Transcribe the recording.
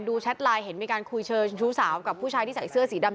แชทไลน์เห็นมีการคุยเชิงชู้สาวกับผู้ชายที่ใส่เสื้อสีดำ